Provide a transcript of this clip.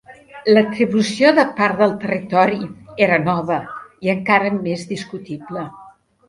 L'atribució de part del territori era nova i encara més discutible.